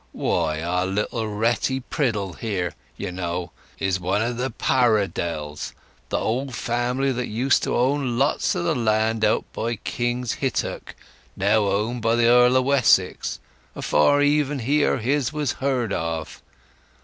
Why, our little Retty Priddle here, you know, is one of the Paridelles—the old family that used to own lots o' the lands out by King's Hintock, now owned by the Earl o' Wessex, afore even he or his was heard of.